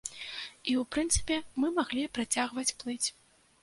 І, у прынцыпе, мы маглі працягваць плыць.